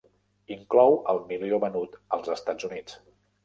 Inclou el milió venut als Estats Units.